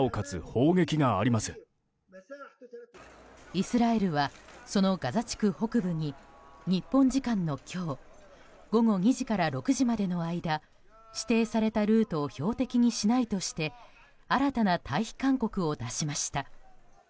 イスラエルはそのガザ地区北部に日本時間の今日午後２時から６時までの間指定されたルートを標的にしないとして新たな退避勧告を出しました。